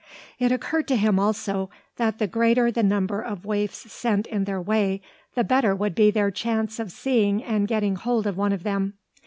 It occurred to him also, that the greater the number of waifs sent in their way, the better would be their chance of seeing and getting hold of one of them.